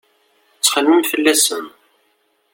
Ttxemmim fell-asen.